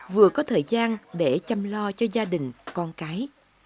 vừa có thời gian để chăm lo cho gia đình con cái